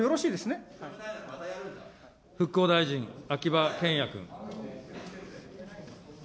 復興大臣、秋葉賢也君。